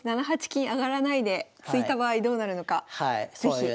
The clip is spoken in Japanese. ７八金上がらないで突いた場合どうなるのか是非。